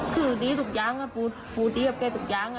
คือดีทุกอย่างปูดีกับแกทุกอย่าง